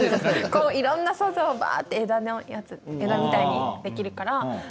こういろんな想像をバって枝のやつ枝みたいにできるから好き。